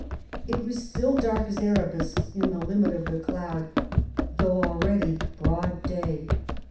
It was still dark as Erebus in the limit of the cloud, though already broad day.